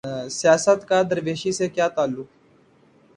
سیاست کا درویشی سے کیا تعلق؟